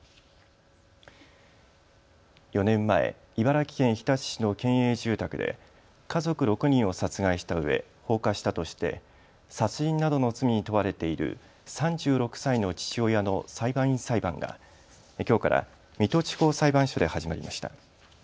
４年前、茨城県日立市の県営住宅で家族６人を殺害したうえ放火したとして殺人などの罪に問われている３６歳の父親の裁判員裁判がきょうから水戸地方裁判所で始まりました。